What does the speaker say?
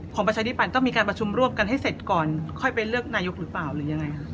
ประชาธิปัตย์ต้องมีการประชุมร่วมกันให้เสร็จก่อนค่อยไปเลือกนายกหรือเปล่าหรือยังไงครับ